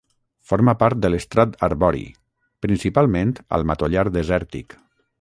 Forma part de l'estrat arbori, principalment al matollar desèrtic.